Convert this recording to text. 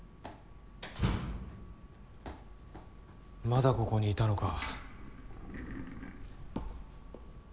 まだここに居たのか。